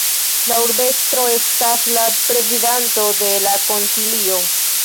La urbestro estas la prezidanto de la konsilio.